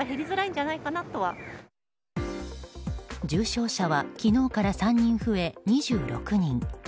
重症者は昨日から３人増え２６人。